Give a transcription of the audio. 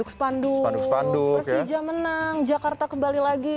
spanduk spanduk persija menang jakarta kembali lagi